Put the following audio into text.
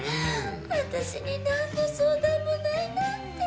私になんの相談もないなんて。